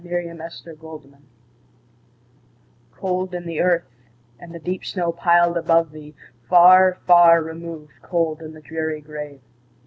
Emily Brontë Remembrance COLD in the earth, and the deep snow piled above thee! Far, far removed, cold in the dreary grave!